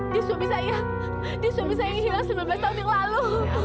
di suami saya di suami saya yang hilang sembilan belas tahun yang lalu